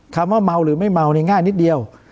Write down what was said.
ว่าเมาหรือไม่เมาเนี่ยง่ายนิดเดียว